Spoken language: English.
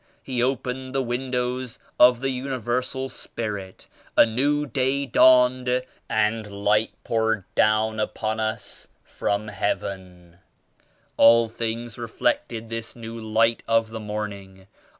He opened the windows of the Universal Spirit; a New Day dawned and Light poured down upon us fronj 99 X Heaven. All things reflected this New Light of the Morning.